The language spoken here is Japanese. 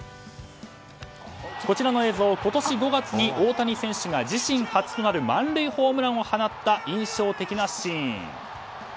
こちらの映像、今年５月に大谷選手が自身初となる満塁ホームランを放った印象的なシーン。